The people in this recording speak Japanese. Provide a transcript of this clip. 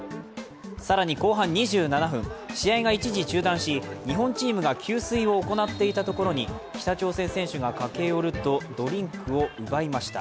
更に後半２７分、試合が一時中断し日本チームが給水を行っていたところに北朝鮮選手が駆け寄ると、ドリンクを奪いました。